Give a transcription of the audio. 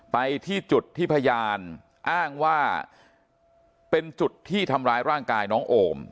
ไปที่จุดที่พยานอ้างว่าเป็นจุดที่ทำร้ายร่างกายน้องโอม